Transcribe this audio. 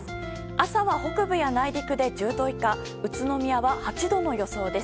朝は、北部や内陸で１０度以下宇都宮は８度の予想です。